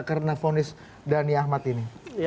karena fonis dhani ahmad ini